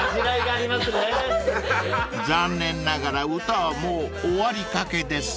［残念ながら歌はもう終わりかけです］